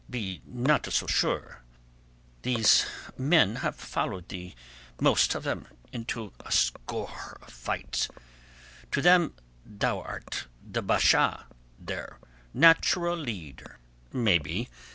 "Be not so sure. These men have most of them followed thee into a score of fights. To them thou art the Basha, their natural leader." "Maybe.